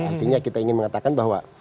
artinya kita ingin mengatakan bahwa